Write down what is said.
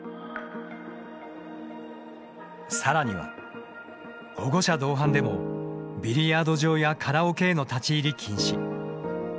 さらには、保護者同伴でもビリヤード場やカラオケへの立入禁止。